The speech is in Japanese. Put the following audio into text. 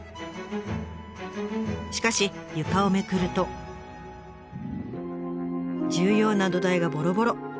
しかし床をめくると重要な土台がぼろぼろ。